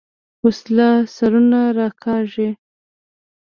وسله سرونه راکاږي